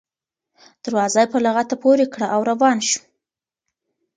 دروازه یې په لغته پورې کړه او روان شو.